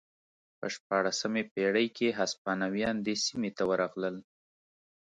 په شپاړسمې پېړۍ کې هسپانویان دې سیمې ته ورغلل.